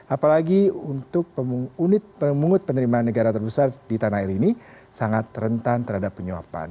apalagi untuk unit pemungut penerimaan negara terbesar di tanah air ini sangat rentan terhadap penyuapan